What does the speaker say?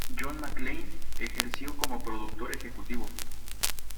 John McClain ejerció como productor ejecutivo.